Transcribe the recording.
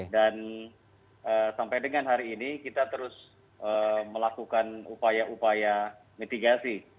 dan sampai dengan hari ini kita terus melakukan upaya upaya mitigasi